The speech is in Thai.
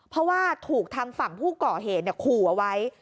เพราะว่าถูกทำฝั่งผู้เกาะเหตุเนี่ยขู่เอาไว้